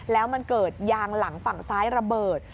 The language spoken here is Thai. แล้วมันเกิดยางหลังฝั่งซ้ายระเบิด